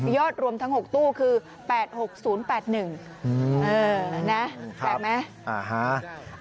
รวมทั้ง๖ตู้คือ๘๖๐๘๑แปลกไหม